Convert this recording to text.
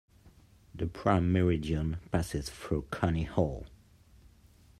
The Prime Meridian passes through Coney Hall.